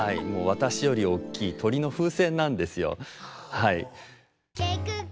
私より大きい鳥の風船なんですよはい。